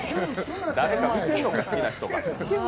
誰か見てんのか、好きな人が。